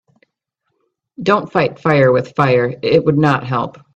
Don‘t fight fire with fire, it would not help.